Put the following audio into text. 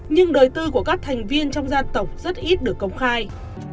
nhưng đời tư của các thành viên trong gia tộc rất ít được công khai